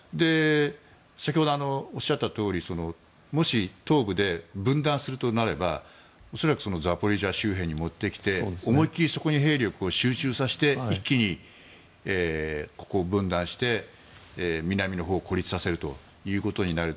先ほどおっしゃったとおりもし、東部で分断するとなれば恐らくザポリージャ周辺に持ってきて思いっきりそこに兵力を集中させて一気にここを分断して南のほうを孤立させることになる。